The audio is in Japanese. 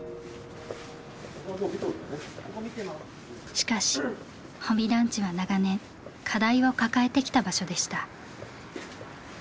しかし保見団地は長年課題を抱えてきた場所でした。